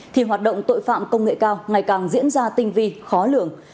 thì hoạt động tội phạm công nghệ cao ngày càng diễn ra tinh vi khó lường